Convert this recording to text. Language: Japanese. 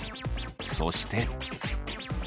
そして。